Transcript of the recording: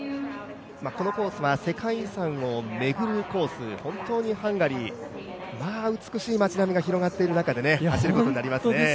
このコースは世界遺産を巡るコース、本当にハンガリー、美しい町並みが広がっている中で走ることになりますね。